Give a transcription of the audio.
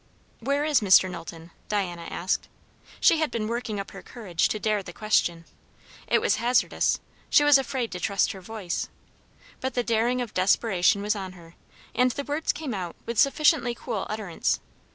"Where is Mr. Knowlton?" Diana asked. She had been working up her courage to dare the question; it was hazardous; she was afraid to trust her voice; but the daring of desperation was on her, and the words came out with sufficiently cool utterance.